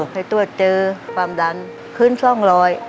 เป็นตรวจเจอความดันคืนทร่องรอย